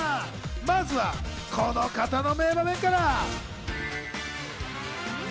まずはこの方の名場面から。